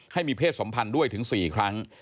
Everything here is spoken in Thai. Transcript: ให้มีเพศสมพันธ์ด้วยถึง๔ครั้ง